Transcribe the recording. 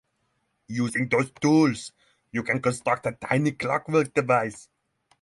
Using those tools, you can construct a Tiny clockwork device.